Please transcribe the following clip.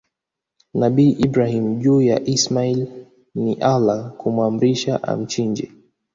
nabii Ibrahim juu ya Ismail ni Allah kumuamrisha amchinje